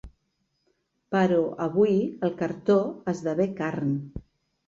Però avui el cartó esdevé carn.